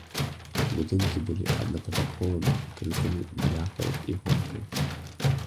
Будынкі былі аднапавярховымі, крытымі бляхай і гонкай.